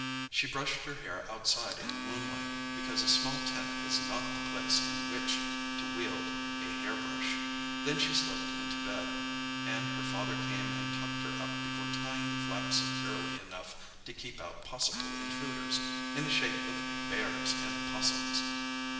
She brushed her hair outside in the moonlight, because a small tent is not the place in which to wield a hairbrush; then she slipped into bed, and her father came and tucked her up before tying the flap securely enough to keep out possible intruders in the shape of "bears" and 'possums.